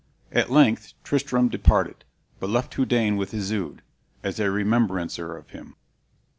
At length Tristram departed, but left Houdain with Isoude, as a remembrancer of him.